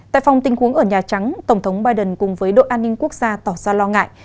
tại phòng tình huống ở nhà trắng tổng thống biden cùng với đội an ninh quốc gia tỏ ra lo ngại